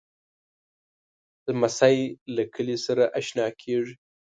لمسی له کلي سره اشنا کېږي.